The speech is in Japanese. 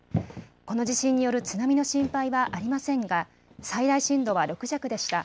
この地震による津波の心配はありませんが最大震度は６弱でした。